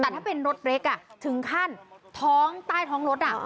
แต่ถ้าเป็นรถเล็กถึงขั้นท้องใต้ท้องรถ